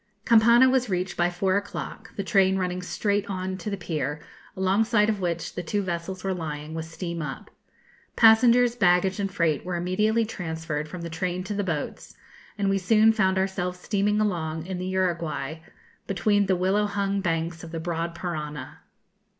] Campana was reached by four o'clock, the train running straight on to the pier, alongside of which the two vessels were lying, with steam up. Passengers, baggage, and freight were immediately transferred from the train to the boats; and we soon found ourselves steaming along in the 'Uruguay,' between the willow hung banks of the broad Parana.